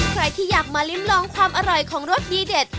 ใครที่อยากมาลิ้มลองความอร่อยของรสดีเด็ด